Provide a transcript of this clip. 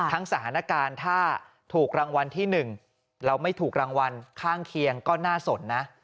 สถานการณ์ถ้าถูกรางวัลที่๑เราไม่ถูกรางวัลข้างเคียงก็น่าสนนะ